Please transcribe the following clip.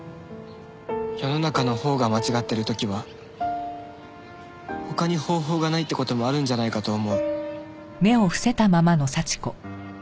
世の中のほうが間違ってる時は他に方法がないって事もあるんじゃないかと思う。